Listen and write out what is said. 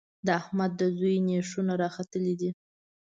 د احمد د زوی نېښونه راختلي دي.